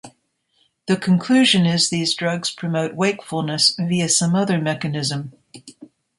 The conclusion is these drugs promote wakefulness via some other mechanism.